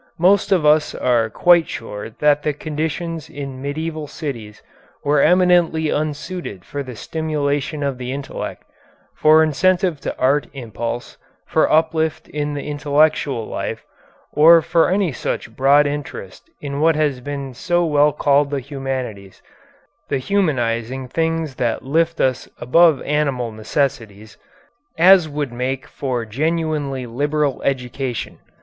Most of us are quite sure that the conditions in medieval cities were eminently unsuited for the stimulation of the intellect, for incentive to art impulse, for uplift in the intellectual life, or for any such broad interest in what has been so well called the humanities the humanizing things that lift us above animal necessities as would make for genuinely liberal education.